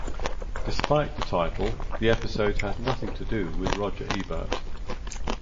Despite the title, the episode has nothing to do with Roger Ebert.